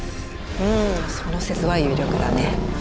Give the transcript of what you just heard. うんその説は有力だね。